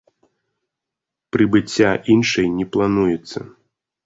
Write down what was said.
Прыбыцця іншай не плануецца.